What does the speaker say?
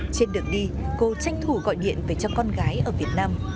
trên đường đi cô tranh thủ gọi điện về cho con gái ở việt nam